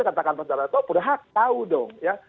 katakan pak jalato sudah hak tahu dong